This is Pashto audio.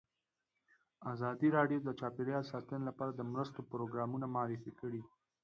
ازادي راډیو د چاپیریال ساتنه لپاره د مرستو پروګرامونه معرفي کړي.